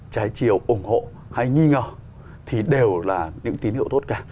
trái chiều ủng hộ hay nghi ngờ thì đều là những tín hiệu tốt cả